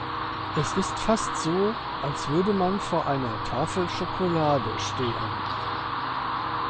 Es ist fast so, als würde man vor einer Tafel Schokolade stehen.